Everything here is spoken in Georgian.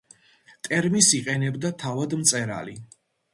ტერმინს იყენებდა თავად მწერალი.